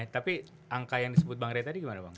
tapi angka yang disebut bang rey tadi gimana bang